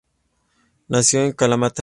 Nació en Kalamata.